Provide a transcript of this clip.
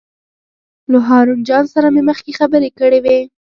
له هارون جان سره مې مخکې خبرې کړې وې.